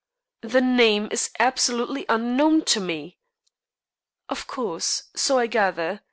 "The name is absolutely unknown to me." "Of course. So I gather.